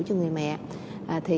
cho người ta